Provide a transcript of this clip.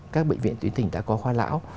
các bệnh viện tuyến tỉnh đã có khoa lão